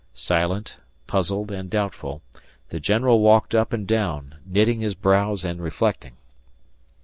Silent, puzzled, and doubtful, the General walked up and down knitting his brows and reflecting.